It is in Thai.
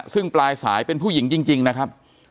ซึ่งปลายสายเป็นผู้หญิงจริงนะครับ